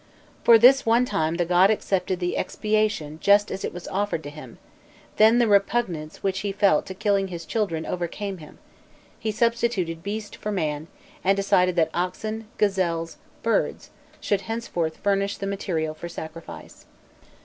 [*] For this one time the god accepted the expiation just as it was offered to him; then the repugnance which he felt to killing his children overcame him, he substituted beast for man, and decided that oxen, gazelles, birds, should henceforth furnish the material for sacrifice.